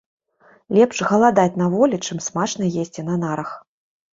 Лепш галадаць на волі, чым смачна есці на нарах.